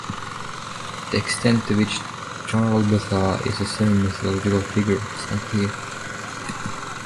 The extent to which Jarl Buthar is a semi-mythological figure is unclear.